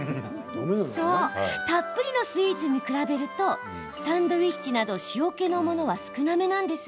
そう、たっぷりのスイーツに比べるとサンドイッチなど塩けのものは少なめ。